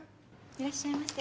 いらっしゃいませ。